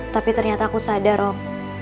tapi ternyata aku sadar om